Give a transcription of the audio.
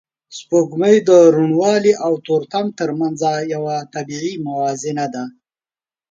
سپوږمۍ د روڼوالی او تورتم تر منځ یو طبیعي موازنه ده